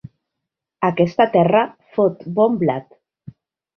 Aquesta terra fot bon blat.